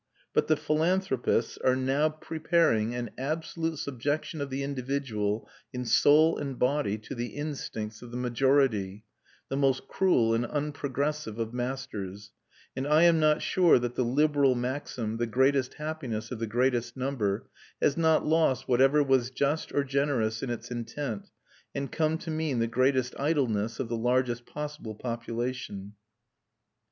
But the philanthropists are now preparing an absolute subjection of the individual, in soul and body, to the instincts of the majority the most cruel and unprogressive of masters; and I am not sure that the liberal maxim, "the greatest happiness of the greatest number," has not lost whatever was just or generous in its intent and come to mean the greatest idleness of the largest possible population.